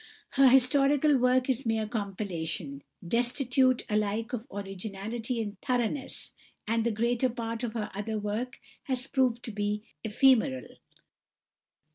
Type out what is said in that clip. Her historical work is mere compilation, destitute alike of originality and thoroughness, and the greater part of her other work has proved to be ephemeral.